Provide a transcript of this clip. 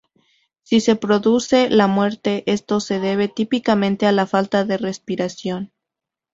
Si se produce la muerte, esto se debe típicamente a la falta de respiración.